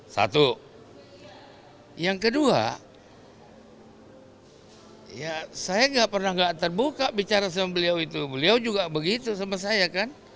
satu yang kedua ya saya nggak pernah nggak terbuka bicara sama beliau itu beliau juga begitu sama saya kan